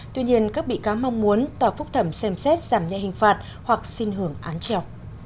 tuy nhiên các bị cáo mong muốn tòa phúc thẩm xem xét giảm nhẹ hình phạt hoặc xin hưởng án treo